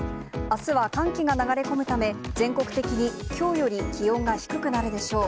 あすは寒気が流れ込むため、全国的にきょうより気温が低くなるでしょう。